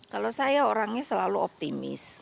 kalau saya orangnya selalu optimis